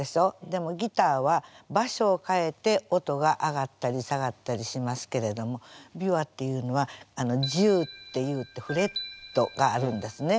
でもギターは場所を変えて音が上がったり下がったりしますけれども琵琶っていうのは柱っていうてフレットがあるんですね。